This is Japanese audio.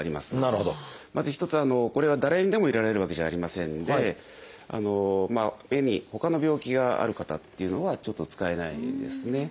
まず一つこれは誰にでも入れられるわけじゃありませんで目にほかの病気がある方っていうのはちょっと使えないですね。